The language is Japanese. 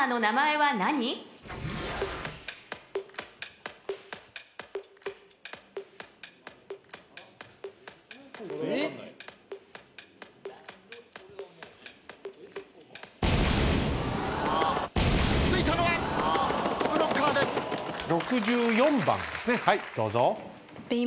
はいどうぞ。